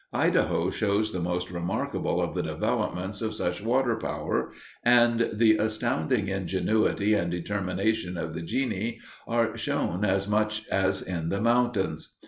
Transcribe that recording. Idaho shows the most remarkable of the developments of such water power, and the astounding ingenuity and determination of the genii are shown as much as in the mountains.